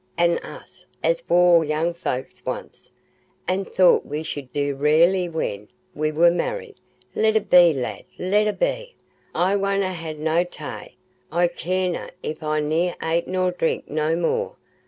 An' us as war young folks once, an' thought we should do rarely when we war married. Let a be, lad, let a be! I wonna ha' no tay. I carena if I ne'er ate nor drink no more.